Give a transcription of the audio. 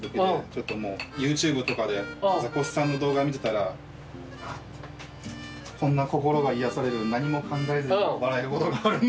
ちょっともうＹｏｕＴｕｂｅとかでザコシさんの動画見てたらこんな心が癒やされる何も考えずに笑えることがあるんだと。